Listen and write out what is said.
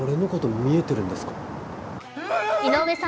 井上さん